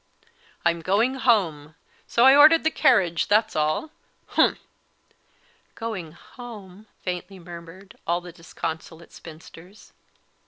_ "I'm going home; so I ordered the carriage; that's all humph!" "Going home!" faintly murmured the disconsolate spinsters.